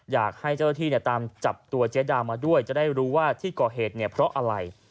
อยากให้เจ้าหน้าที่ตามจับตัวเจ๊ดามาด้วยจะได้รู้ว่าที่ก่อเหตุเนี่ยเพราะอะไร